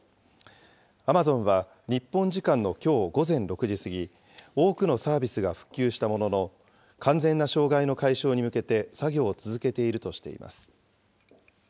アマゾンは日本時間のきょう午前６時過ぎ、多くのサービスが復旧したものの、完全な障害の解消に向けて、作業を続けているとしています。